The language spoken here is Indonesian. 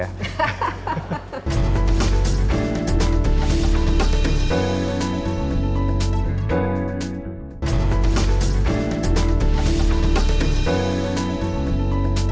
mbak desi masih masuk ya